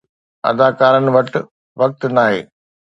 اداڪارن وٽ وقت ناهي